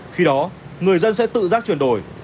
khi đó người dân sẽ tự giác chuyển đổi